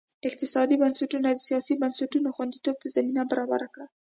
اقتصادي بنسټونو د سیاسي بنسټونو خوندیتوب ته زمینه برابره کړه.